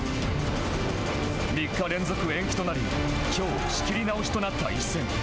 ３日連続延期となりきょう、仕切り直しとなった一戦。